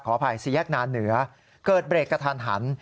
อภัยสี่แยกนาเหนือเกิดเบรกกระทันหัน